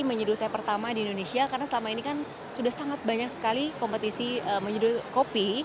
menyeduh teh pertama di indonesia karena selama ini kan sudah sangat banyak sekali kompetisi menyeduh kopi